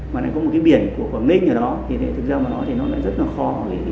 mà lại có một cái biển của quảng linh ở đó thì thực ra nó lại rất là kho